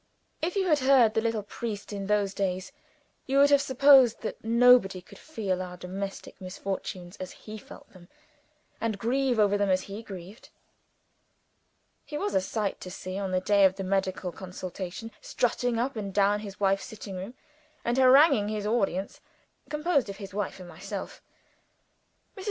If you had heard the little priest in those days, you would have supposed that nobody could feel our domestic misfortunes as he felt them, and grieve over them as he grieved. He was a sight to see, on the day of the medical consultation; strutting up and down his wife's sitting room, and haranguing his audience composed of his wife and myself. Mrs.